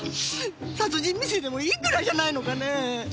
殺人未遂でもいいくらいじゃないのかね！